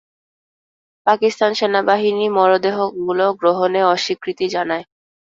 পাকিস্তান সেনাবাহিনী মরদেহগুলো গ্রহণে অস্বীকৃতি জানায়।